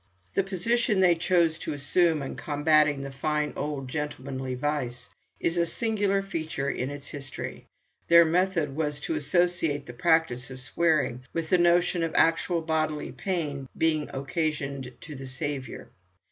The position they chose to assume in combating this "fine old gentlemanly vice" is a singular feature in its history. Their method was to associate the practice of swearing with the notion of actual bodily pain being occasioned to the Saviour.